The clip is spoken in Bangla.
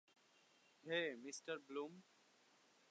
Hey, Mr Bloom.